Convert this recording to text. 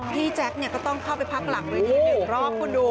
พี่แจ๊กเนี่ยก็ต้องเข้าไปพักหลังเลยนี่๑รอบคุณดู